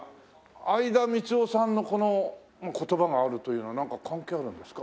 相田みつをさんのこの言葉があるというのはなんか関係あるんですか？